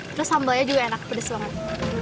terus sambalnya juga enak pedas banget